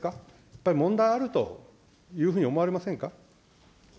やっぱり問題あるというふうに思われませんか。